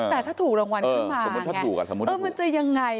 แต่ถ้าถูกรางวัลขึ้นมาเออมันจะยังไง